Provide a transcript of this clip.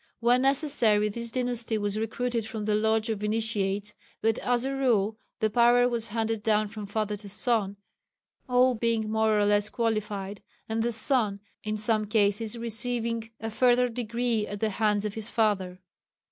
When necessary, this dynasty was recruited from the Lodge of Initiates, but as a rule the power was handed down from father to son, all being more or less qualified, and the son in some cases receiving a further degree at the hands of his father.